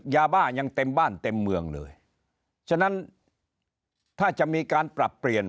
ยาบ้ายังเต็มบ้านเต็มเมืองเลยฉะนั้นถ้าจะมีการปรับเปลี่ยน